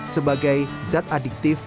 sebagai zat adiktif